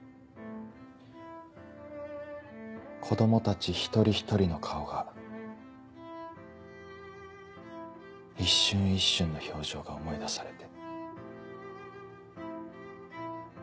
子供たち一人一人の顔が一瞬一瞬の表情が思い出されて。